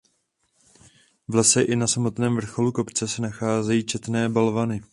V lese i na samotném vrcholu kopce se nacházejí četné balvany.